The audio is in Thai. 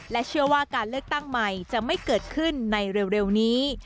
เชื่อว่าการเลือกตั้งใหม่จะไม่เกิดขึ้นในเร็วนี้